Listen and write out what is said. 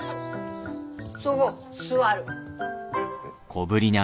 そご座る。